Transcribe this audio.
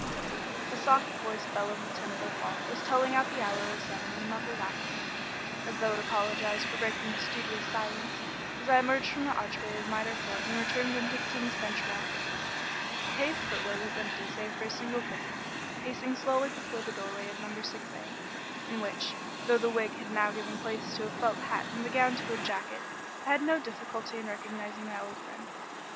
The soft voiced bell of the Temple clock was telling out the hour of seven in muffled accents (as though it apologised for breaking the studious silence) as I emerged from the archway of Mitre Court and turned into King's Bench Walk. The paved footway was empty save for a single figure, pacing slowly before the doorway of number 6A, in which, though the wig had now given place to a felt hat and the gown to a jacket, I had no difficulty in recognising my friend.